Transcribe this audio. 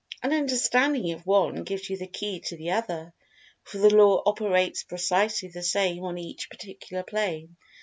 An understanding of one gives you the key to the other—for the Law operates precisely the same on each particular plane.